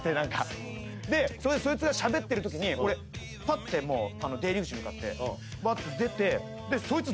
そいつがしゃべってるときに俺パッてもう出入り口向かってバッて出てそいつ